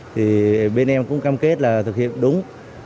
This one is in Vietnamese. thì bên em cũng cam kết là thực hiện đúng